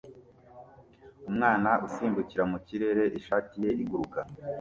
Umwana usimbukira mu kirere ishati ye iguruka